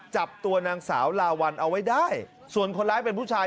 จับตัวนางสาวลาวัลเอาไว้ได้ส่วนคนร้ายเป็นผู้ชาย